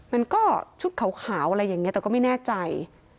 มันก็ชุดขาวอะไรอย่างนี้แต่ก็ไม่แน่ใจ